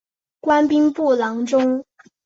官兵部郎中。